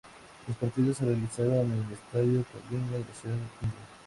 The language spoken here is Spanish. Los partidos se realizaron en el Estadio Kalinga de la ciudad india.